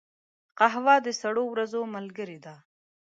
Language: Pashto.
قهوه د سړو ورځو ملګرې ده